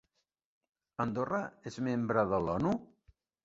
Andorra és membre de l'ONU.